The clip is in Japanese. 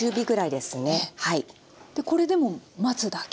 でこれでもう待つだけ？